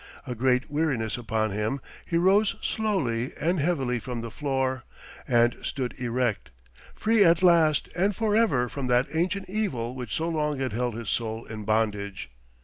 A great weariness upon him, he rose slowly and heavily from the floor, and stood erect, free at last and forever from that ancient evil which so long had held his soul in bondage.